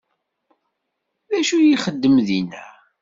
D acu ixeddem dinna?